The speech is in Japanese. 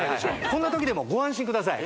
そんな時でもご安心ください